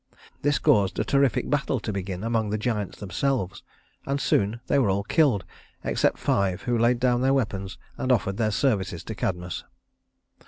This caused a terrific battle to begin among the giants themselves, and soon they were all killed except five who laid down their weapons and offered their services to Cadmus.